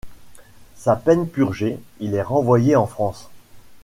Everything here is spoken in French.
Sa peine purgée, il est renvoyé en France.